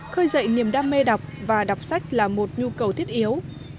khơi dậy niềm đam mê đọc và đọc sách là một nhu cầu thiết yếu